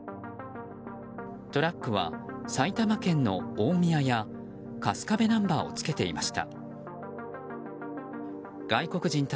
トラックは埼玉県の大宮や春日部ナンバーをつけていました。